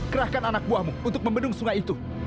kerahkan anak buahmu untuk membendung sungai itu